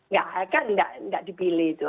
ya akan tidak dipilih itu